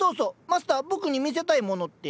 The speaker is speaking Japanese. マスター僕に見せたいものって？